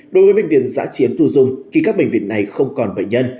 đối với bệnh viện giã chiến tu dung khi các bệnh viện này không còn bệnh nhân